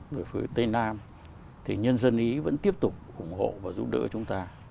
từ phương tây nam thì nhân dân ý vẫn tiếp tục ủng hộ và giúp đỡ chúng ta